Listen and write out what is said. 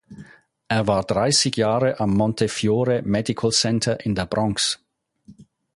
Er war dreißig Jahre am "Montefiore Medical Center" in der Bronx.